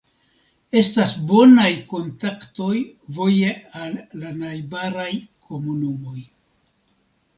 Estas bonaj kontaktoj voje al la najbaraj komunumoj.